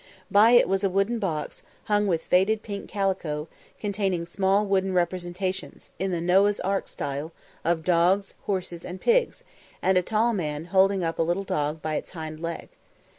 By it was a wooden box, hung with faded pink calico, containing small wooden representations, in the Noah's ark style, of dogs, horses, and pigs, and a tall man holding up a little dog by its hind legs.